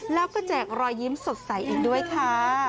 แล้วก็แจกรอยยิ้มสดใสอีกด้วยค่ะ